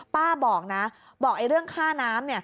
ป้าบอกนะบอกเรื่องค่าน้ำ